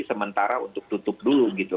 sementara untuk tutup dulu gitu